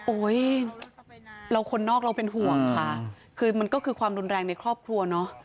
เราคนนอกเราเป็นห่วงค่ะคือมันก็คือความรุนแรงในครอบครัวเนอะ